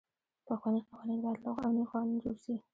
پخواني قوانین باید لغوه او نوي قوانین جوړ سي.